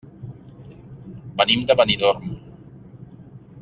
Venim de Benidorm.